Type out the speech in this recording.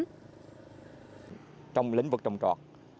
nông sản trong lĩnh vực trồng trọt